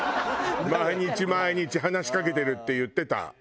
毎日毎日話しかけてるって言ってた。